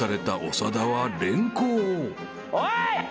おい！